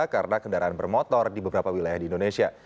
karena kendaraan bermotor di beberapa wilayah di indonesia